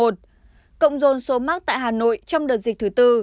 cộng dồn số mắc tại hà nội trong đợt dịch thứ bốn